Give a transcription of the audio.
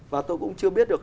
và tôi cũng chưa biết được